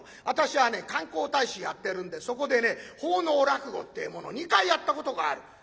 私はね観光大使やってるんでそこでね奉納落語ってえもの２回やったことがある。